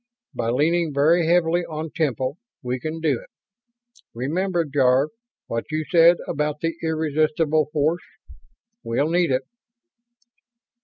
By leaning very heavily on Temple, we can do it. Remember, Jarve, what you said about the irresistible force? We'll need it."